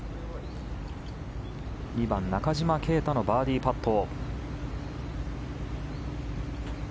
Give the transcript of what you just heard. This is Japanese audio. ２番、中島啓太のバーディーパット。